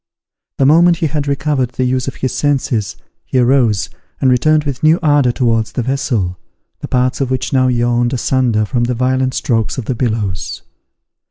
The moment he had recovered the use of his senses, he arose, and returned with new ardour towards the vessel, the parts of which now yawned asunder from the violent strokes of the billows.